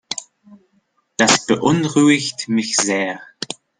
Das beunruhigt mich sehr.